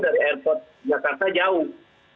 dari airport jakarta jauh